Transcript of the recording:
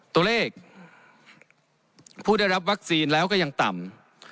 ตัวเลขผู้ได้รับวัคซีนแล้วก็ยังต่ำ